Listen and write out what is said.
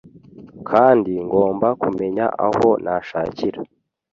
kandi ngomba kumenya aho nashakira.